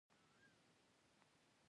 د بیت المقدس دیوالونه راښکاره شول.